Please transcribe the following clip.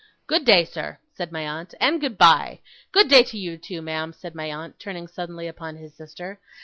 'Good day, sir,' said my aunt, 'and good bye! Good day to you, too, ma'am,' said my aunt, turning suddenly upon his sister.